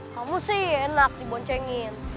kamu sih enak diboncengin